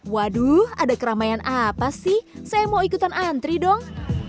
waduh ada keramaian apa sih saya mau ikutan antri dong